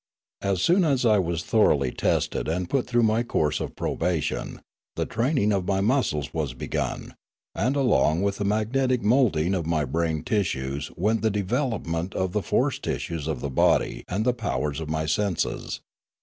As soon as I was thoroughly tested and put through my course of probation, the training of my muscles was begun, and along with the magnetic moulding of my brain tissues went the de velopment of the force tissues of the body and the powers of my senses.